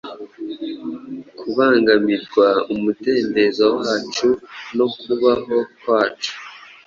Kubangamirwa, umudendezo wacu no kubaho kwacu